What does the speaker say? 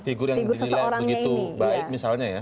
figure yang didilai begitu baik misalnya ya